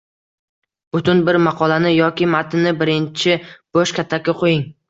Butun bir maqolani yoki matnni birinchi bo’sh katakka qo’ying